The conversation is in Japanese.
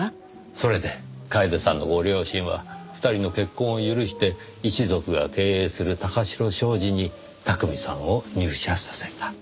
それで楓さんのご両親は２人の結婚を許して一族が経営する貴城商事に巧さんを入社させた。